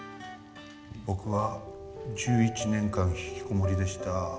僕は１１年間引きこもりでした。